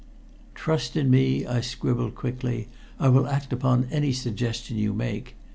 "Trust in me," I scribbled quickly. "I will act upon any suggestion you make.